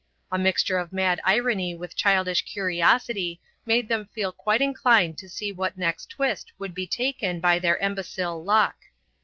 A mixture of mad irony with childish curiosity made them feel quite inclined to see what next twist would be taken by their imbecile luck.